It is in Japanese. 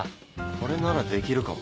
これならできるかも。